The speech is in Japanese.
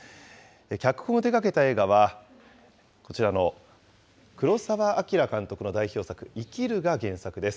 脚本を手がけた映画は、こちらの黒澤明監督の代表作、生きるが原作です。